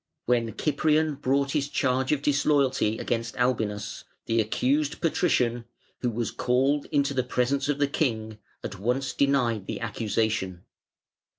When Cyprian brought his charge of disloyalty against Albinus, the accused Patrician, who was called into the presence of the King, at once denied the accusation.